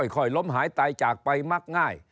ค่อยล้มหายตายจากไปมักง่าย